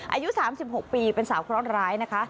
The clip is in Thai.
อายุ๓๖ปีเป็นสาวเคราะห์ร้ายนะคะ